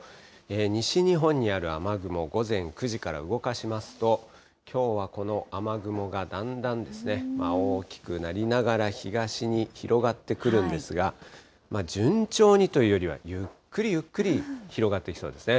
西日本にある雨雲、午前９時から動かしますと、きょうはこの雨雲が、だんだん大きくなりながら東に広がってくるんですが、順調にというよりは、ゆっくりゆっくり広がっていきそうですね。